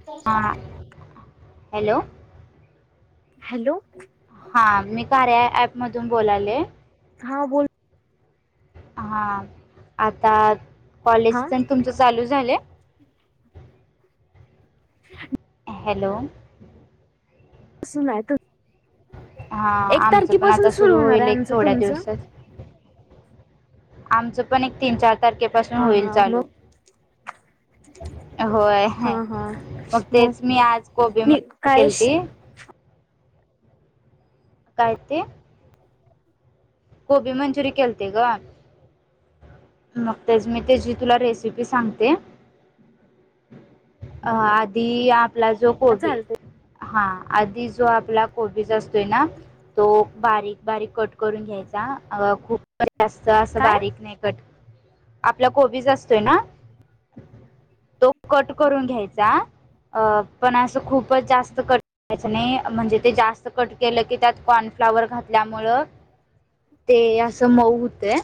थकू हां hello hello हा मी कार्या ऍप मधून बोलाले हा बोल हा आता कॉलेज हा पण तुमच चालू झालं ह हॅलो सुना य हां एक आमचं पण तारखेपासून आता सुरू होणार होईल आहे एक आमचं थोड्या तुमचं दिवसात आमचं पण एक तीन चार तारखेपासून होईल चालू क होय हा मग हा तेच मी मग आज कोबी म मंचुरी कायश केलती कायते गोबी मंचुरी केलती ग का मग तेच मी तेझी तुला रेसिपी सांगते अ आधी आपला जो कोबी चालते आधी जो आपलाकोबी कोबीच असतोय ना तो बारीक बारीक कट करून घ्यायचा खूप जास्त असं काय बारीक नाही कट आपला कोबीज असतोय ना तो कट करून घ्यायचा अ पण असं खूपच जास्त कट करायच नाही म्ह णजे ते जास्त कट केलं की त्यात कॉन फ्लावर घातल्यामुळं ते असं मऊ हुतंय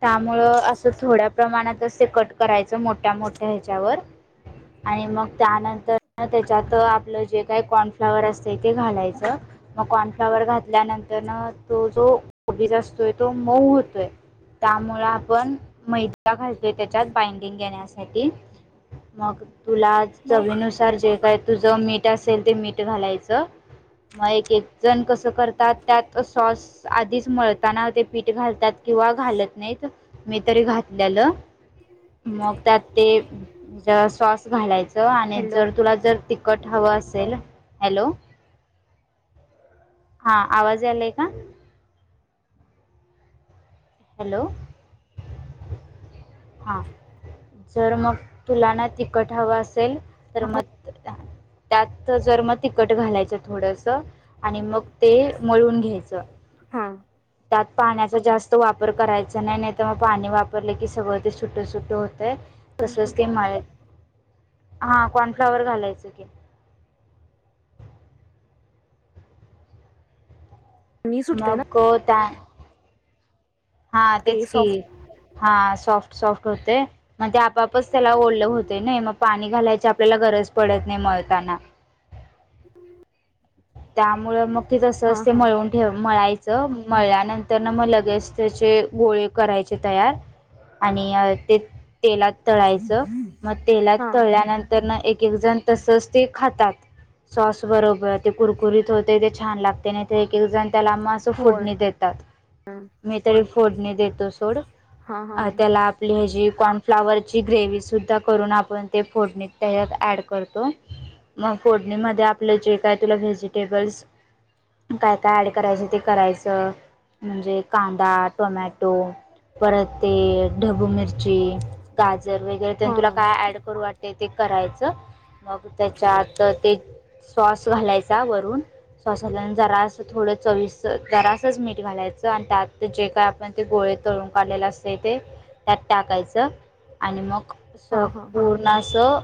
त्यामुळं असं थोड्या प्रमाणातचे कट करायचं मोठ्या मोठ्या ह्याच्यावर [inaudible] आणि मग त्यानंतर त्याच्यात आपलं जे काय कॉर्नफ्लाॉवर असतं ते घालायचं कॉर्नफ्लाॉवर घातल्यानंतर तो जो को बीज असतोय तो मऊ होतोय त्यामुळे आपण मैदा घालतो य त्याच्यात बाइंडिंग घेण्यासाठी मग तुला मग चवीनुसार जे काय तुझ मी असेल ते मीठ घालायचं मग एक एक जण कस करतात त्यात सॉस आधीच मळताना ते पीठ घालतात किंवा घालत नाहीत मी तरी घातलेलं. मग त्यात ते सॉस घालायचं आणि हॅलो जर तुला जर तिखट हवं असेल? हॅलो. हा आवाज यालय का? हॅलो. हा जर मग तुलाना ती खट हवं अस तर मग त्यात जर मग तिखट घालायचं थोडस. आणि मग ते मळून घ्यायचं. हा त्यात पाण्याचा जास्त वापर करायचा नाही, नाही तर मग पाणी वापरलं की सगळं ते सुटं सुटं होतंय. तसंच ते मळा य हा कॉर्नफ्लॉवर घालायच की. मी सुटते ना मग ग त्या हा ते तेच की सॉफ्ट हा सॉफ्ट सॉफ्ट होते. मण ते आपापच त्याला ओलं होतय ना मग पाणी घालायची आपल्याला गरज पडत नाही मळताना. हम्. त्यामुळेळ मग की तसच ते हा मळवून ठेव मळायचं मळल्यानंतर ना मग लगेच त्याचे गोळे करायचे तयार. आणि ते तेलात तळायचं मग तेलात हा तळल्यानंतर ना एक एक जण तसच ते खातात सॉस बरोबर. ते कुरकुरीत होते ते छान लागते नाही, तर एक एक जण त्याला आ म असं होय फोडणी देतात मी तरी फोडणी देतो सोड. हा हा अ त्याला आपली कॉर्नफ्लावर ची ग्रेव सुद्धा करून आपण ते फोडणी त्याच्यात ऍड करतो. मग फोडणीमध्येध्ये आपले जे काय तुला व्हेजिटेबल्स काय काय ऍड करायच ते करायचं. म्हणजे कांदा, टमॅटो परते ढबू मिरच गाजर वगैरे हा तुला काय ऍड करू वाट ते ते करायचं मग त्याच्या आत ते स्वास घालायचा वरून सोसाला जरास थोडं चवीस जरासच मीठ घालायचं आणि त्यात तर जे काय आपण ते गोळे तळून काढलेलं असते ते त्यात टाकायचं आणि मग हा हा पूर्ण असं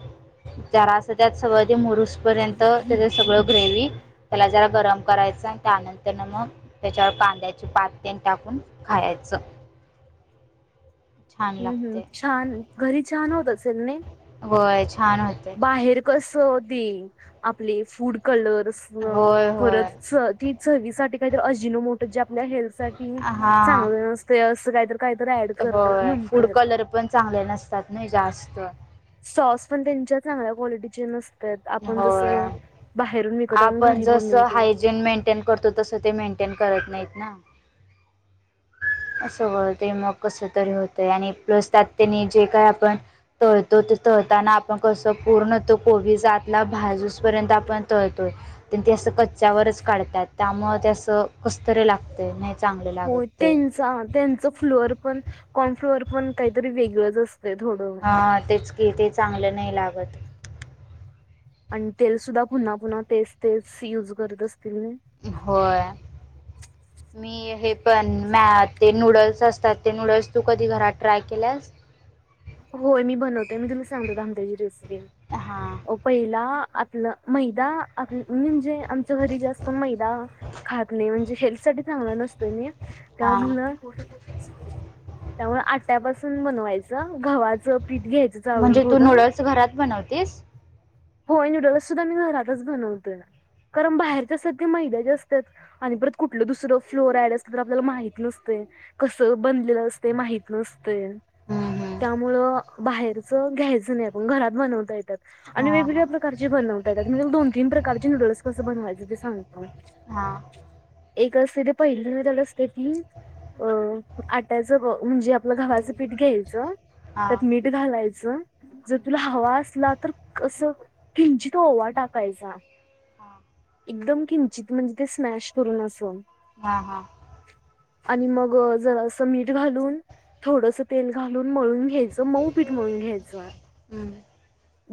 जरा असं त्यात सवाधी मुरूस पर्यंत त्या ग्रेव्ही त्याला ज गरम करायच त्यानंतर मग त्याच्यावर कांद्याची पात टाकून खायचं. छान हम्म हम् लागते छान घरी छान होत असेल नहीं? होय छान होते बाहेर कस देई आपले फूड कलर होय पर होय ती चवी साठी काहीत अजिनो मोठ जे आपल्या हेल्थसाठी हां चांगले नसते असं. काहीतरी काहीतरी ऍड करतायत होय फूड म्हणतात. कलर पण चांगले नसतात ना जास्त. स्टॉस पण त्यांच्या चांगल्या क्वालिटीचे नसत आपण जस होय बाहेरून व आपण जसं हायजीन मेंटेन करतो तसं ते मेंटेन करत नाहीत ना. अस बळतय मग कस तरी होतय आणि प्लस त्यात्याने जे काय आपण तळतो ते तळताना आपण कस पूर्ण तो कोबी जातला भाजूस पर्यंत आपण तळतो. ते अस कच्च्यावरच काढतात त्यामुळे ते अस कसतरी लागतं नाही. चांगलं लागत हो ते त्यांचा त्यांच फ्लोअर पण कॉन फ्लोअर पण काहीतरी वेगळंच असत. हा तेच कि ते चांगलं नाही लागत. आणि तेल सुद्धा पुन्हा पुन्हा तेच तेच युज करत असतील होय. ह मी हे पण मॅ ते नूडल्स असतात ते नूडल्स तू कधी घरात ट्राय केल्यास. होय मी बनवते मी तुला सांगते थांब हां पहिला आप मैदा आप [unintelligible] म्हणजे आमच्या घरी जास्त मैदा खात नाही म्हणजे शेल्थ साठी चांगला नसतोय म का हां मुलं त्यामुळे आट्यापासून बनवायचं. गव्हाचं पीठ घ्यायचं चालून म्हणजे तू थोडं. नूडल्स घरात बनवतेस होय नूडल्स सुद्धा मी घरातच बनवतोय. कारण बाहेरच्या सगळं मैंदयच असतात आणि परत कुठलं दुसरं फ्लोराईड असलं तर आपल्याला माहित नसतं. कस बनलेलं असत माहित नसते. हां त्यामुळं बाहेरच घ्यायचं नाही आपण घरात बनवता येतात. आणि हां हां वेगवेगळ्या प्रकारचे बनवता त्या म दोन तीन प्रकारचे नूडल्स कसं बनवायचं ते सांगतो. हा एक असते ते पहिलं त्याल असते ती [unintelligible] अ आट्याचं म्हणजे आपलं घव्हाचं पीठ घ्यायचं हा त्यात मीठ घालायचं. जर तुला हवा असला तर कस किंचित ओवा टाकायचा. हा एकदम किंचित म्हणजे ते स्मॅश करून अस. हा हा आणि मग जरा असं मीठ घालून थोडस तेल घालून. मळून घ्यायचं मऊ पीठ मळून घ्यायचं. हम्म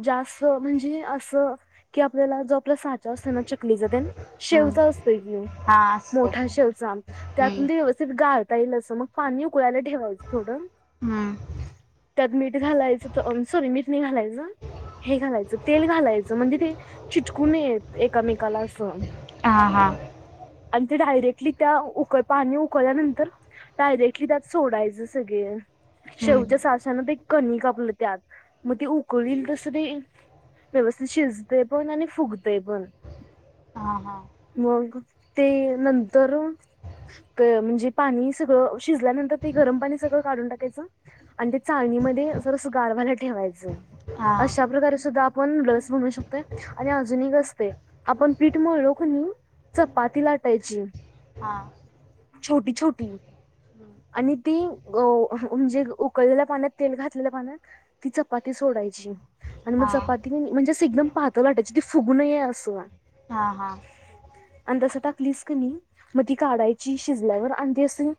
जास्त म्हणजे असं की आपल्याला ज आपला साचा असतो ना चकलीचा तेन हम्म शेवचा असतोय्. हा असते मोठा शेवच त्यातून हम्म ते व्यवस्थित गाठ ईल अस मग पाणी उकळायला ठेवायचं थोडं. हम्म त्यात मीठ घालायचं सॉरी मीठ नाही घालायचं. हे घालायचं तेल घालायचं म्हणजे ते चिटकूनेत एकामेकाला असं. हां हां आणि ते डायरेक्टली त्या उक पाणी उकळल्यानंतर डायरेक्टली त्यात सोडायचं सगळे. हम्म शेवच्या सासांना ते कणी कापलं त्यात मग ते उकळील तस ते व्यवस्थित शिजते पण आणि फुगते पण हा हा मग ते नंतर म्हणजे पाणी सगळं शिजल्यानंतर ते गरम पाणी सगळं काढून टाक आणि ते चाळणीमध्ये जरस गारव्ययला ठेवायचं. हा अशा प्रकारे सुद्धा आपण लस म्हनू शकतोय आणि अजून असते आपण पिठ म्हलोकणी. चपाती लाटायची. हा छोटी छोटी आणि ती अ म्हणजे उकळलेल्या पाण्यात तेल घातलेल्या पाण्यात ती चपाती सोडायची. आणि मग हा चपाती म्हणजेच एकदम पातळ लाटायची ती फुगूूनये असं. हा अता [unintelligible] टाकलीस क म मग ती काढायची शिजल्यावर आणि तेी असं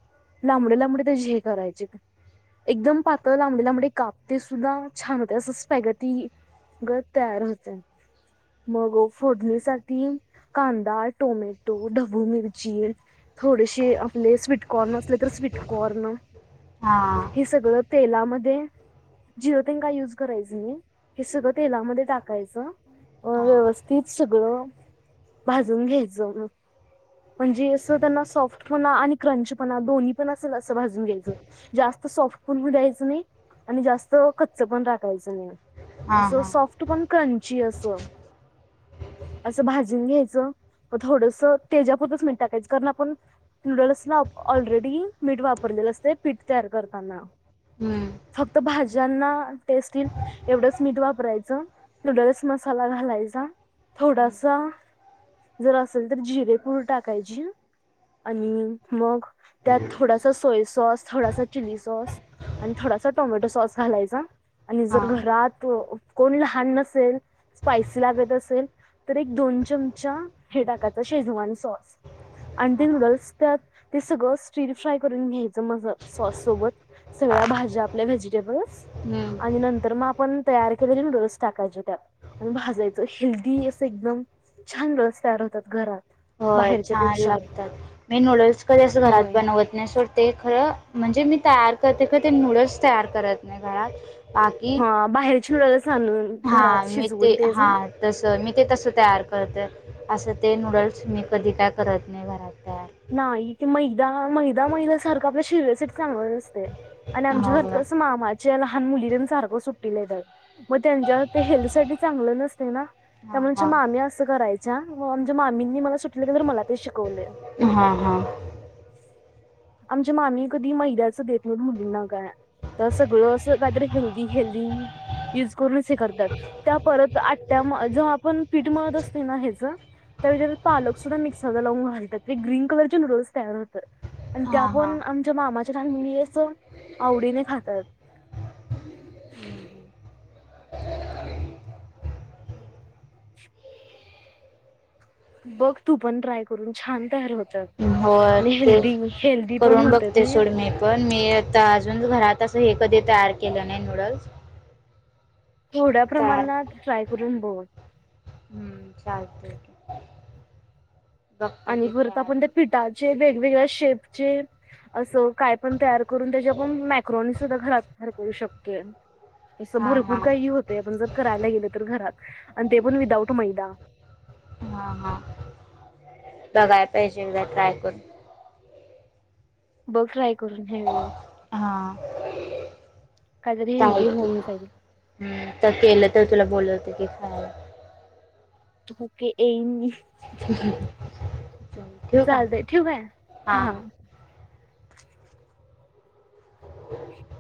लांबडे लांबडे त्या हे करायचे. एकदम पातळ लांबडे लांबडे काप म्हणजे काप ते सुद्धा छान होते असं स्पॅगती गत तयार होते मग फोडणीसाठी कांदा, टोमॅटो, ढबू मिरची थोडेसे आपले स्वीटकॉर्न असले तर स्वीटकॉर्न हा हा हे सगळं तेलामध्ये जिर तेन का यूज करायचं मी हे सगळं तेलामध्ये टाकायचं. अ हा व्यवस्थित सगळं भाजून घ्यायचं म म्हणजे असं त्यांना सॉफ्ट पणा आणि क्रंचपणा दोन्ही पण असेल असं भाजून घ्यायचं. जास्त सॉफ्ट पण [unintelligible] नाही आणि जास्त कच्च पण राखायचं नाही. हा असं हा सॉफ्ट पण क्रंची अस असं भाजून घ्यायचं मग थोडस तेजपुरच मिणत काही कारण आपण न्यूडल्स ना ऑलरेडी मीठ वापर पीठ तर करताना हम्म फक्त भाज्यांना टेस्ट एवढच मीठ वापरायचं न्यूडल्स मसाला घालायचा थोडासा जर असेल तर जिरेपूर टाकायची आणि मग त्यात थोडासा सोय सॉस थोडासा चिली सॉस आणि थोडासा टोमॅटो सॉस घालायचा आणि हा जर घरात कोण लहान नसेल स्पायसी लागत असेल तर एक दोन चमचा हे टाकाचा शेजवान सॉस आणि हा ते लुगल्स त्यात ते सगळं स्टीरफ्राय करून घ्यायचं माझ सॉस सोबत सगळ्या भाज्या आपल्या व्हेजिटेबल् आणि हम्म नंतर मग आपण तयार के नूडल्स टाकायच त्या भाजायचं हेल्दी असं एकदम छान रस्त्यावर होतात घरात होय बाहेरच्या छान पेक्षा लागतात मी नूडल्स कधी असं घरात होय बनवत नाही सोड ते खरं म्हणजे मी तयार करते का ते नूडल्स तयार करत नाही घरात बाकी हा बाहेरची नूडल्स आणून हा घरात मी शिजवून ते तेच हा ना तस मी ते तसं तयार करतं असं ते नूडल्स मी कधी काय करत नाही घरात तयार नाही ते मैदा मैदा मैदा सारखं आपल्या शि्यासाठी सांगत असते आणि आमच्या घर हो का? कसं मामाचे लहान मुली दे सारखं सुटलेेत मग त्यांच्या ते हेल्थ साठी चांगलं नसते ना हा हा त्यामुळे हा मामी असं करायच अच् आमच्या मामींनी मला सुटले की तर मला ते शिकवले हां आमच्या मामी कधी मैद्याच देत म्ह मुली न कर तर सगळं असं काहीतरी हेल्दी हेल्दी यज करून करतात त्या परत आ्या ज आपण पीठ मळत असते ना हच त्या वर पालक सुद्धा मिक्सरला लाव घलतात ते ग्रीन कलरचे नूडल्स तयार होतात आणि त्या हा हा पण आमच्या मामा आवडीने खातात ह आणि बघ तू पण ट्राय करून छान तयार होत हो ते पण करून होतात बघते नाही. सोड म पण मी अजून घरात असं हे कधी तयार केलं नाही नूडल्स थोड्या तयार प्रमाणात ट्राय करून बोल हम्म चालते ओके आणि पररत आपण त्या पिठाचे वेगवेगळ्या शेपचे असं काय पण तयार करून त्याच्या आपण मॅक्रोनी सुद्धा घरात तयार करू शकते तं हा भरपूर हा काही होते आपण जर करायला गेलं तर घरात आणि ते पण विदाऊट मैदा ह हा हा बघाय पाहिजे एकदा ट्राय करून बघ ट्राय करून ह्यावी हम् तर केलं तर तुला बोल होते की खायला ठीके ऐईन मी. ठेवू का चालतय ठेवय हां हा हां ह